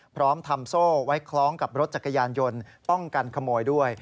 พร้อมทำโซ่ไว้คล้องกับรถจักรยานยนต์ป้องกันขโมยด้วย